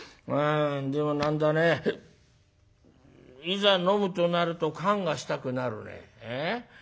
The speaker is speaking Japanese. でも何だねいざ飲むとなると燗がしたくなるね。